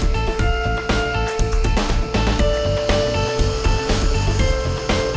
mau dawah aja pagi gue jaga